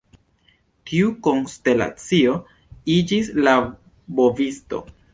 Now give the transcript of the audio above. Tiu konstelacio iĝis la Bovisto.